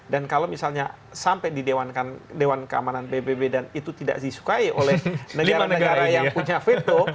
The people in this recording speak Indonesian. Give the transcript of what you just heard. dan kalau misalnya sampai di dewan keamanan pbb dan itu tidak disukai oleh negara negara yang punya veto